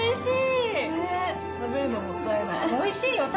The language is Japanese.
んおいしい！